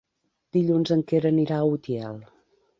Dilluns en Quer anirà a Utiel.